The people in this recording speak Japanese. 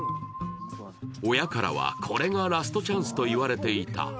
親からは、これがラストチャンスと言われていた。